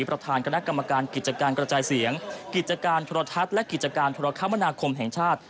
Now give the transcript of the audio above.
ประธานคณะกรรมการกิจการกระจายเสียงกิจการโทรทัศน์และกิจการธุรกรรมนาคมแห่งชาติ